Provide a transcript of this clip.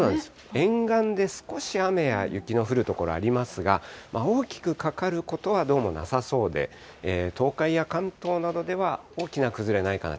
沿岸で少し雨や雪の降る所ありますが、大きくかかることはどうもなさそうで、東海や関東などでは大きな崩れはないかなと。